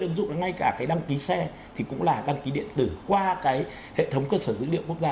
ứng dụng ngay cả cái đăng ký xe thì cũng là đăng ký điện tử qua cái hệ thống cơ sở dữ liệu quốc gia